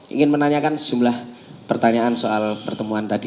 ingin menanyakan sejumlah pertanyaan soal pertemuan tadi